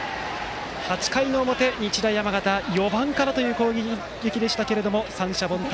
８回の表、日大山形４番からという攻撃でしたが三者凡退。